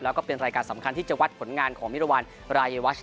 แล้วก็เป็นรายการสำคัญที่จะวัดผลงานของมิรวรรณรายวัช